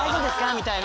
みたいな。